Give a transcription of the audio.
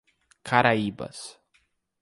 Caraíbas